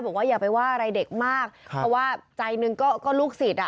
บอกว่าอย่าไปว่าอะไรเด็กมากเพราะว่าใจนึงก็ลูกศิษย์